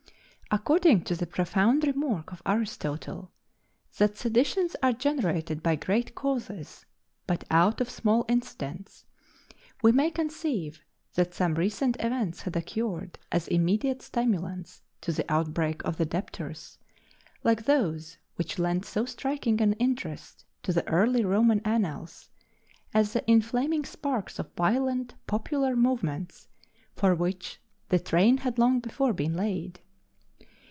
According to the profound remark of Aristotle that seditions are generated by great causes but out of small incidents we may conceive that some recent events had occurred as immediate stimulants to the outbreak of the debtors, like those which lent so striking an interest to the early Roman annals, as the inflaming sparks of violent popular movements for which the train had long before been laid.